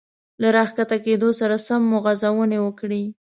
له را ښکته کېدو سره سم مو غځونې وکړې.